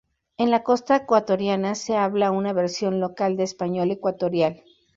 En la Costa ecuatoriana se habla una versión local del español ecuatorial.